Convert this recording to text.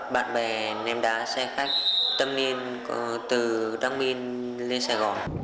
bạn bè ném đá xe khách tân niên từ đắc minh lên sài gòn